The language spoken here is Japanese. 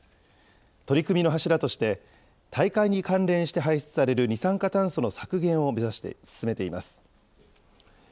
取り組みの柱として、大会に関連して排出される二酸化炭素の削減を目指して進めています。